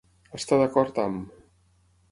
Estar d'acord amb.